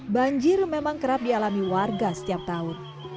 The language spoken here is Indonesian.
banjir memang kerap dialami warga setiap tahun